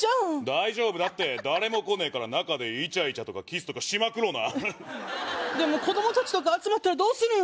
大丈夫だって誰も来ねえから中でイチャイチャとかキスとかしまくろうなでも子供達とか集まったらどうするん？